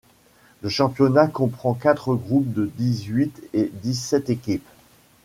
Le championnat comprend quatre groupes de dix-huit et dix-sept équipes.